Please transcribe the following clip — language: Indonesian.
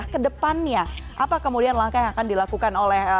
kedepannya apa kemudian langkah yang akan dilakukan oleh